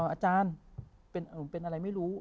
อาจารย์เป็นอะไรไม่รู้